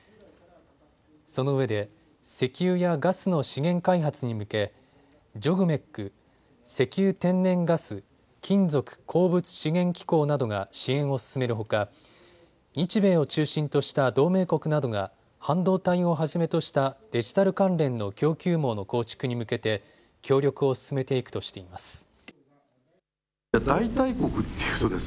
そのうえで石油やガスの資源開発に向け、ＪＯＧＭＥＣ・石油天然ガス・金属鉱物資源機構などが支援を進めるほか日米を中心とした同盟国などが半導体をはじめとしたデジタル関連の供給網の構築に向けて協力を進めていくとしています。